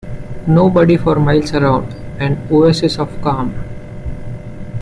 Nobody for miles around - an oasis of calm.